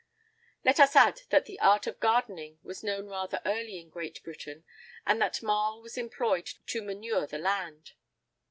[I 51] Let us add that the art of gardening was known rather early in Great Britain, and that marl was employed to manure the land.